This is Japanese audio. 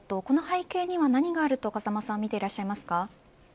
この背景には何があると風間さんも見ていらっしゃいますか。